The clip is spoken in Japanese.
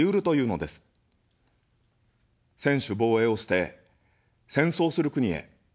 専守防衛を捨て、戦争する国へ。